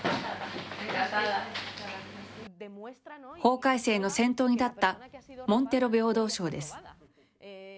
法改正の先頭に立った、モンテロ平等相です。